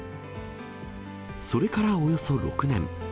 それからおよそ６年。